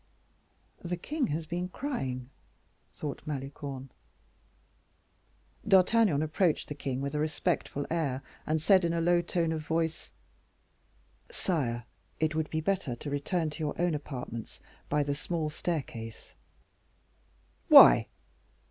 "The king has been crying," thought Malicorne. D'Artagnan approached the king with a respectful air, and said in a low tone of voice: "Sire, it would be better to return to your own apartments by the small staircase." "Why?"